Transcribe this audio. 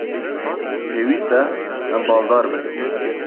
Pêwîst e em baldar bin.